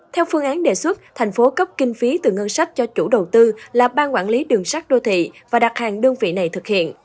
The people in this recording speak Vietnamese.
theo phương án đề xuất thành phố cấp kinh phí từ ngân sách cho chủ đầu tư là ban quản lý đường sát đô thị và đặt hàng đơn vị này thực hiện